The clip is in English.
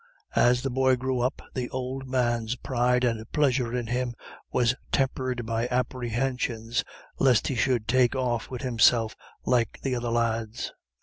As the boy grew up the old man's pride and pleasure in him were tempered by apprehensions lest he should "take off wid himself like the other lads."